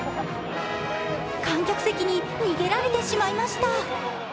観客席に逃げられてしまいました。